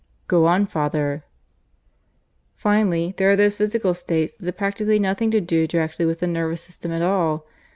"Go on, father." "Finally, there are those physical states that have practically nothing to do directly with the nervous system at all.